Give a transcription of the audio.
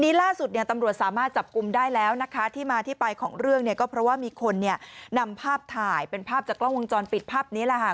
ล่าสุดเนี่ยตำรวจสามารถจับกลุ่มได้แล้วนะคะที่มาที่ไปของเรื่องเนี่ยก็เพราะว่ามีคนเนี่ยนำภาพถ่ายเป็นภาพจากกล้องวงจรปิดภาพนี้แหละค่ะ